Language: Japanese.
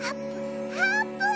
あーぷん！